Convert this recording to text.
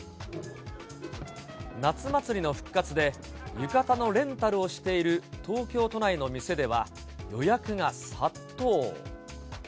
夏祭りの復活で、浴衣のレンタルをしている東京都内の店では、予約が殺到。